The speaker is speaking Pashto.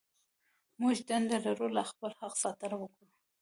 موږ دنده لرو له خپل حق ساتنه وکړو.